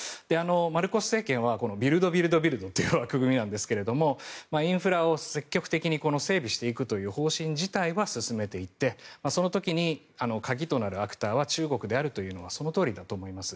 マルコス政権はビルド・ビルド・ビルドという枠組みなんですけどインフラを積極的に整備していくという方針自体は進めていってその時に鍵となるアクターは中国であるというのはそのとおりだと思います。